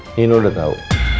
nino udah tau